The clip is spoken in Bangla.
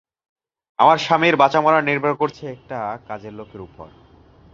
আমার স্বামীর বাঁচা-মরা নির্ভর করছে একটা, কাজের লোকের উপর!